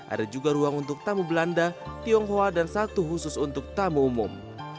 ada juga ruang untuk tamu belanda tionghoa dan satu khusus untuk tamu umum